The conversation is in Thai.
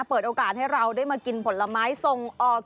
เปิดโอกาสให้เราได้มากินผลไม้ส่งออก